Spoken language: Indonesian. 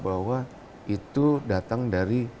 bahwa itu datang dari